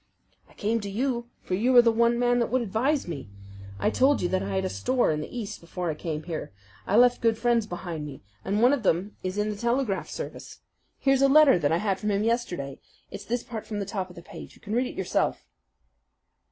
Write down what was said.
"I came to you; for you are the one man that would advise me. I told you that I had a store in the East before I came here. I left good friends behind me, and one of them is in the telegraph service. Here's a letter that I had from him yesterday. It's this part from the top of the page. You can read it yourself."